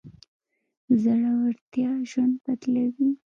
زړورتيا ژوند بدلوي.